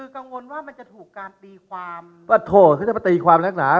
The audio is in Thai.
คือกังวลว่ามันจะถูกการตีความก็โทษพี่ถ้ามาตีความแรงนะ